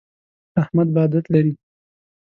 احمد بد عادت لري.